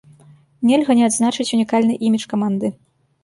Нельга не адзначыць унікальны імідж каманды.